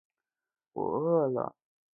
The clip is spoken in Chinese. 我饿了